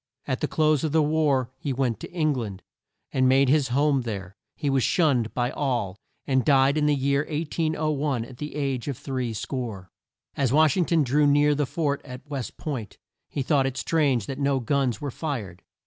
At the close of the war, he went to Eng land, and made his home there. He was shunned by all, and died in the year 1801, at the age of three score. As Wash ing ton drew near the fort at West Point, he thought it strange that no guns were fired.